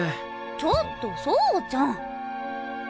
ちょっと走ちゃん！